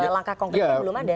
langkah konkretnya belum ada